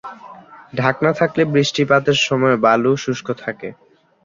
ঢাকনা থাকলে বৃষ্টিপাতের সময়ও বালু শুষ্ক থাকে।